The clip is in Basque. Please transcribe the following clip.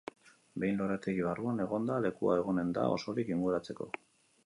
Behin lorategi barruan egonda, lekua egonen da osorik inguratzeko.